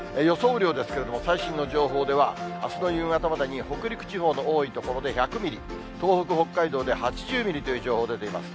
雨量ですけれども、最新の情報では、あすの夕方までに北陸地方の多い所で１００ミリ、東北、北海道で８０ミリという情報出ています。